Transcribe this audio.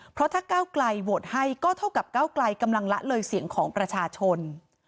เพราะถ้าก้าวไกลโหวตให้ก็เท่ากับก้าวไกลกำลังละเลยเสียงของประชาชน